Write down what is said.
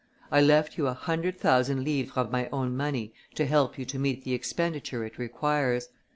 I left you a hundred thousand livres of my own money to help you to meet the expenditure it requires.